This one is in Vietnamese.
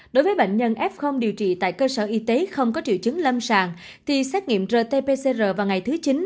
đối với bệnh nhân f điều trị tại cơ sở y tế không có triệu chứng lâm sàng thì xét nghiệm rt pcr vào ngày thứ chín